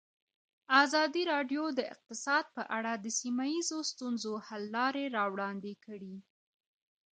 ازادي راډیو د اقتصاد په اړه د سیمه ییزو ستونزو حل لارې راوړاندې کړې.